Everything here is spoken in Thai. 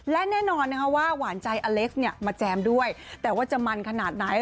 และแน่นอนนะคะว่าหวานใจอเล็กซ์เนี่ยมาแจมด้วยแต่ว่าจะมันขนาดไหน